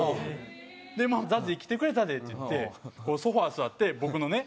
で「ＺＡＺＹ来てくれたで」って言ってソファ座って僕のねネタを見てたんですよ。